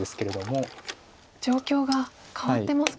状況が変わってますか？